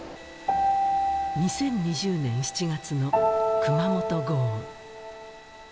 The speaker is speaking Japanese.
２０２０年７月の熊本豪雨。